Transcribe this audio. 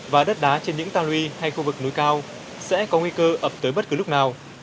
và đất đá trên những ta luy hay khu vực núi cao sẽ có nguy cơ ập tới bất cứ lúc nào